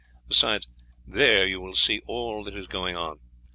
Besides, there you will see all that is going on.